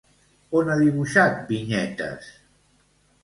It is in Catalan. On ha dibuixat vinyetes?